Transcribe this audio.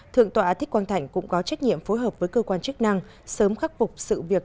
thượng tọa thích quang thạnh cũng có trách nhiệm phối hợp với cơ quan chức năng sớm khắc phục sự việc